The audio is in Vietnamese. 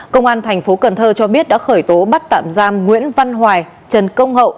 công an tp cn cho biết đã khởi tố bắt tạm giam nguyễn văn hoài trần công hậu